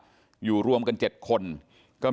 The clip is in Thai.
ทีนี้ก็ต้องถามคนกลางหน่อยกันแล้วกัน